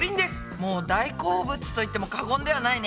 もう大好物と言っても過言ではないね。